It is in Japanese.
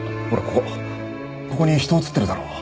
ここに人写ってるだろ？